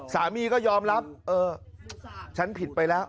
สามีก็ยอมรับเออฉันผิดไปแล้ว